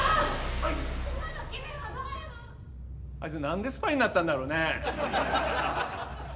あいつ何でスパイになったんだろうね？